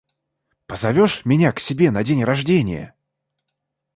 Позовешь меня к себе на день рождения?